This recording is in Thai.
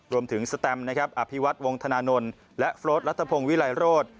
รวมถึงสแตมป์นะครับอภิวัติวงธนานนท์และโฟร์ดรัฐพงษ์วิรายโรธ